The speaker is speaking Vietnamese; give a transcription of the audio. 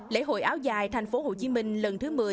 lễ hội áo dài thành phố hồ chí minh lần thứ một mươi